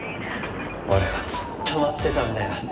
俺はずっと待ってたんだよ